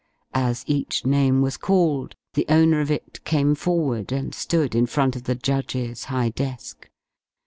As each name was called the owner of it came forward and stood in front of the judge's high desk.